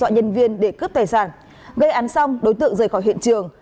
nhân viên để cướp tài sản gây án xong đối tượng rời khỏi hiện trường